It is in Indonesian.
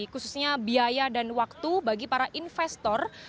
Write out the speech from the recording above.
khususnya biaya dan waktu bagi para investor